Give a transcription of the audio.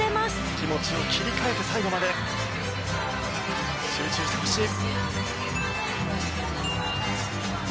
気持ちを切り替えて最後まで集中してほしい。